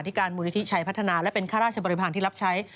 การมูลนิธิชัยพัฒนาและเป็นข้าราชบริพาณที่รับใช้